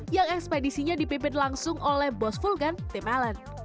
yang ekspedisinya dipimpin langsung oleh bos vulcan tim allen